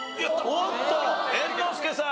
おっと猿之助さん。